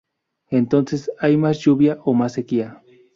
Entonces hay más lluvia o más sequía.